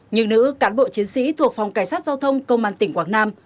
những nữ cán bộ chiến sĩ thuộc phòng cảnh sát giao thông công an tỉnh quảng nam